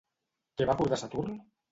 Què va acordar Saturn?